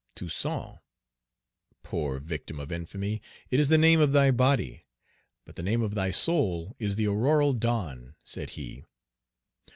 "Toussaint." "Poor victim of infamy, It is the name of thy body; but the name of thy soul Is the auroral dawn," said he.